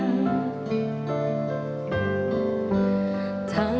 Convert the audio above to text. tidak ada yang menyebabkan